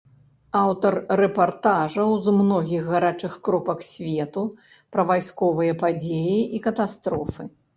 Аўтар рэпартажаў з многіх гарачых кропак свету, пра вайсковыя падзеі і катастрофы.